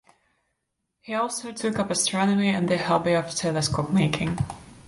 He also took up astronomy and the hobby of telescope making.